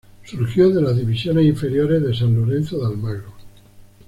Surgió de las divisiones inferiores de San Lorenzo de Almagro.